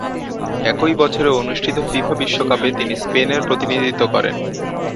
একই বছরে অনুষ্ঠিত ফিফা বিশ্বকাপে তিনি স্পেনের প্রতিনিধিত্ব করেন।